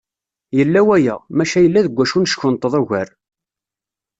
Yella waya, maca yella deg wacu neckenṭeḍ ugar.